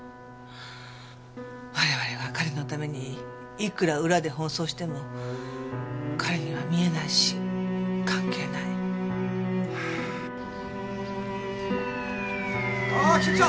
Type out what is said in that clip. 我々が彼のためにいくら裏で奔走しても彼には見えないし関係ない。ああ来た来た！